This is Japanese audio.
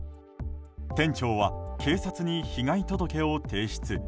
店長は警察に被害届を提出。